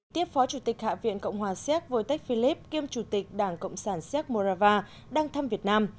tiếp phó chủ tịch hạ viện cộng hòa séc vô tích philip kiêm chủ tịch đảng cộng sản séc morava đang thăm việt nam